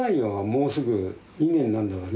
もうすぐ２年なんだから。